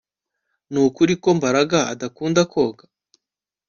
Nukuri ko Mbaraga adakunda koga